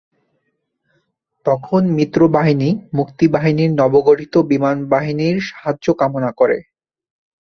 তখন মিত্রবাহিনী মুক্তিবাহিনীর নবগঠিত বিমানবাহিনীর সাহায্য কামনা করে।